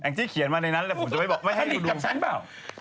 แองจีเขียนมาในนั้นแต่ผมจะไม่บอกไม่ให้ดูสนิทกับฉันเปล่า